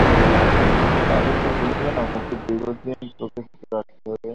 কিন্তু আমি তো বলেছিলাম ওকে দীর্ঘদিন চোখে-চোখে রাখতে হবে।